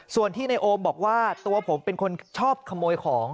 ส่วนที่ในโอมบอกว่าตัวผมเป็นคนชอบขโมยของ